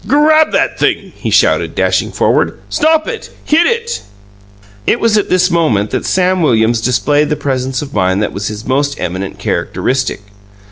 "Grab that thing!" he shouted, dashing forward. "Stop it! Hit it!" It was at this moment that Sam Williams displayed the presence of mind that was his most eminent characteristic.